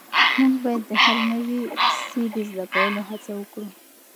موږ باید د هر نوي سی د زده کولو هڅه وکړو.